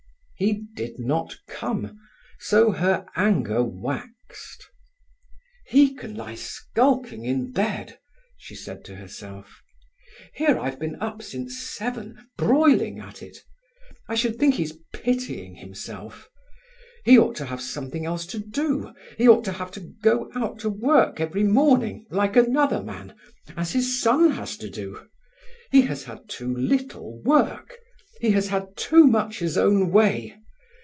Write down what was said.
He did not come, so her anger waxed. "He can lie skulking in bed!" she said to herself. "Here I've been up since seven, broiling at it. I should think he's pitying himself. He ought to have something else to do. He ought to have to go out to work every morning, like another man, as his son has to do. He has had too little work. He has had too much his own way.